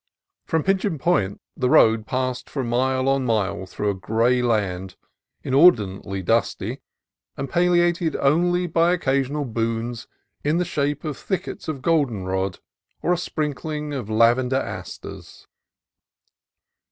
From Pigeon Point the road passed for mile on mile through a gray land, inordinately dusty, and palliated only by occasional boons in the shape of thickets of goldenrod or a sprinkling of lavender asters.